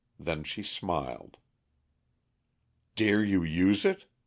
Then she smiled. "Dare you use it?"